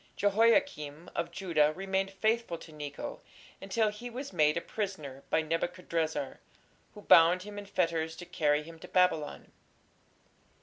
" Jehoiakim of Judah remained faithful to Necho until he was made a prisoner by Nebuchadrezzar, who "bound him in fetters to carry him to Babylon".